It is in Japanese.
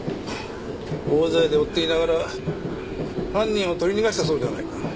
大勢で追っていながら犯人を取り逃がしたそうじゃないか。